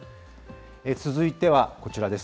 続いてはこちらです。